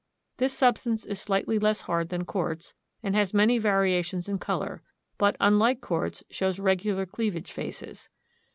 This substance is slightly less hard than quartz and has many variations in color; but, unlike quartz, shows regular cleavage faces.